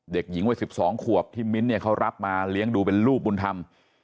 เด็กหญิงไว้สิบสองขวบที่มิ้นท์เขารับมาเลี้ยงดูเป็นลูกบุญธรรม